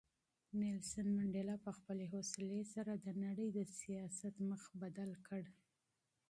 منډېلا په خپلې حوصلې سره د نړۍ د سیاست مخ بدل کړ.